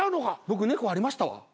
僕「猫」ありましたわ。